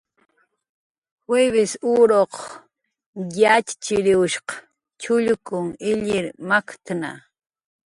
Juivis uruq yatxchiriwshq chullkun illir maktna